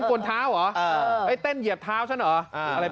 เขาเต้นท่าไหนนะ